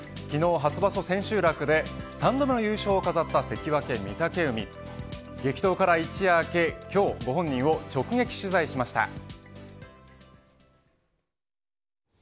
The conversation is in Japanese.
昨日初場所千秋楽で３度の優勝を飾った関脇、御嶽海激闘から一夜明け今日ご本人を直撃取材しました。